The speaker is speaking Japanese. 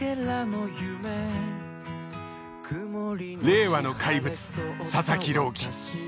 令和の怪物佐々木朗希。